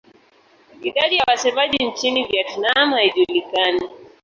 Idadi ya wasemaji nchini Vietnam haijulikani.